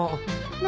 何？